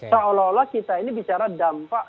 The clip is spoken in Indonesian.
seolah olah kita ini bicara dampak